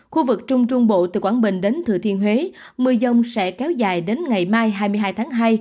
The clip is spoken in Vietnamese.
khu vực trung trung bộ từ quảng bình đến thừa thiên huế mưa dông sẽ kéo dài đến ngày mai hai mươi hai tháng hai